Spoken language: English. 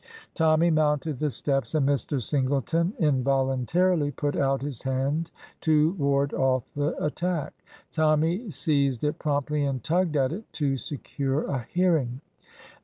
Tommy mounted the steps, and Mr. Singleton invol untarily put out his hand to ward off the attack. Tommy seized it promptly, and tugged at it to secure a hearing.